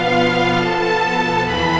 jangan bawa dia